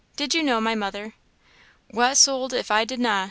Did you know my mother?" "Wha suld if I didna?